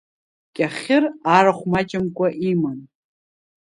Кьахьыр арахә маҷымкәа иман.